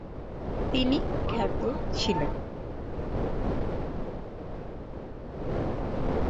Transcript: তিনি খ্যাত ছিলেন।